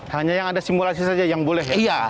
hanya yang ada simulasi saja yang boleh iya